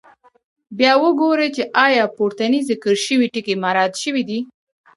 بیا وګورئ چې آیا پورتني ذکر شوي ټکي مراعات شوي دي.